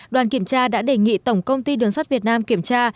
đoàn kiểm tra đã đề nghị tổng công ty đường sắt việt nam kiểm tra